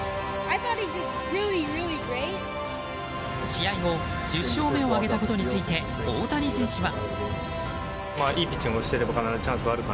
試合後１０勝目を挙げたことについて大谷選手は。